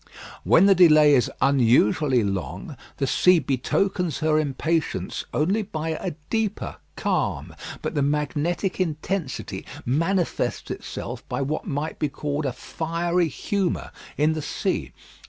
When the delay is unusually long, the sea betokens her impatience only by a deeper calm, but the magnetic intensity manifests itself by what might be called a fiery humour in the sea.